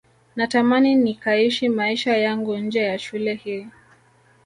natamani nikaishi maisha yangu nje ya shule hii